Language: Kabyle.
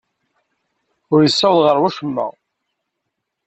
Ur yessaweḍ ɣer wacemma.